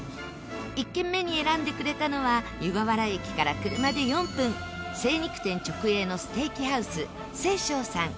１軒目に選んでくれたのは湯河原駅から車で４分精肉店直営のステーキハウス西湘さん